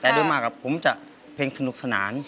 แต่โดยมากผมจะเพลงสนุกสนาน